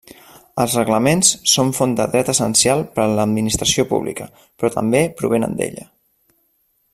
Els reglaments són font de dret essencial per a l'administració pública, però també provenen d'ella.